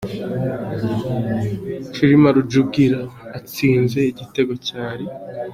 Cyilima Rujugira atsinze igitero cyari.